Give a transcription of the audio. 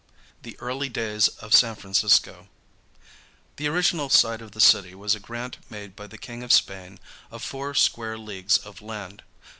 THE EARLY DAYS OF SAN FRANCISCO. The original site of the city was a grant made by the King of Spain of four square leagues of land.